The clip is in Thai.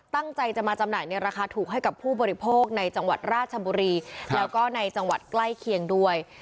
ตั้งใจจะมาจำหน่ายในราคาถูกให้กับผู้บริโภคในจังหวัดราชบุรีแล้วก็ในจังหวัดใกล้เคียงด้วย